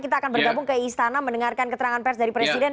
kita akan bergabung ke istana mendengarkan keterangan pers dari presiden